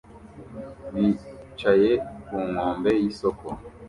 Bicaye ku nkombe y'isoko